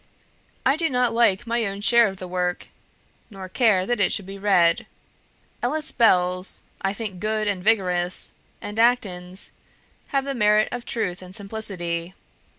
I do not like my own share of the work, nor care that it should be read: Ellis Bell's I think good and vigorous, and Acton's have the merit of truth and simplicity.